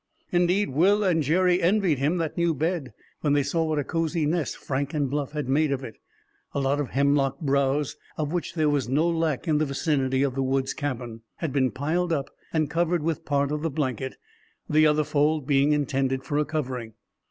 Indeed, Will and Jerry envied him that new bed when they saw what a cozy nest Frank and Bluff had made of it. A lot of hemlock browse, of which there was no lack in the vicinity of the woods cabin, had been piled up and covered with part of the blanket, the other fold being intended for a covering.